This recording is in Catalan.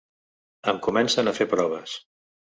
Em comencen a fer proves.